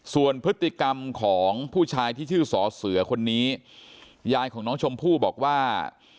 ส่วนพฤติกรรมของผู้ชายที่ชื่อสอเสือคนนี้ยายของน้องชมพู่บอกว่า